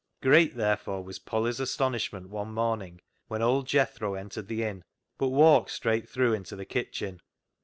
Great, therefore, was Polly's astonishment one morning, when old Jethro entered the inn, but walked straight through into the kitchen.